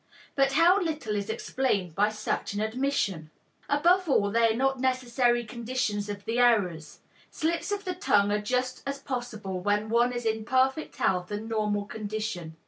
But how little is explained by such an admission! Above all, they are not necessary conditions of the errors. Slips of the tongue are just as possible when one is in perfect health and normal condition.